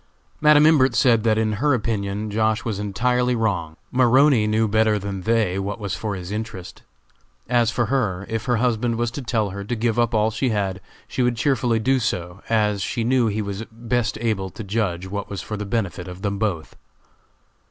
Madam Imbert said that, in her opinion, Josh. was entirely wrong. Maroney knew better than they what was for his interest. As for her, if her husband was to tell her to give up all she had, she would cheerfully do so, as she knew he was best able to judge what was for the benefit of them both.